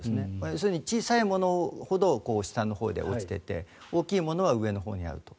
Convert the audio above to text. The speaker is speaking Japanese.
要するに、小さいものほど下のほうに落ちていて大きいものは上のほうにあると。